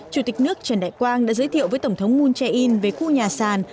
chủ tịch nước trần đại quang đã giới thiệu với tổng thống moon jae in về khu nhà sàn